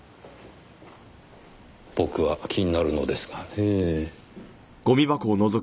僕は気になるのですがねぇ。